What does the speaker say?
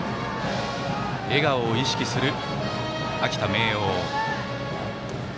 笑顔を意識する秋田・明桜。